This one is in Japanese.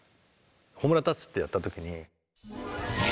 「炎立つ」ってやった時に。